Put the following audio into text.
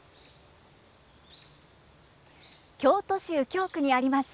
京都右京区にあります